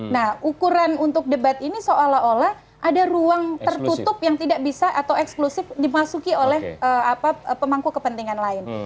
nah ukuran untuk debat ini seolah olah ada ruang tertutup yang tidak bisa atau eksklusif dimasuki oleh pemangku kepentingan lain